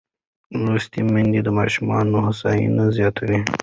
لوستې میندې د ماشوم هوساینه زیاتوي.